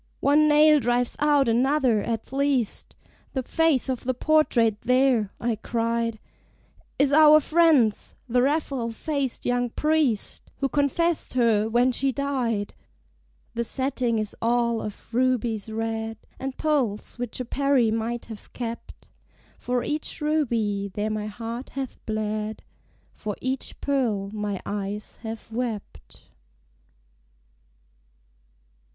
"One nail drives out another, at least! The face of the portrait there," I cried, "Is our friend's, the Raphael faced young Priest, Who confessed her when she died." The setting is all of rubies red, And pearls which a Peri might have kept. For each ruby there my heart hath bled: For each pearl my eyes have wept.